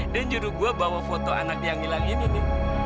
dan judul gue bawa foto anak yang hilang ini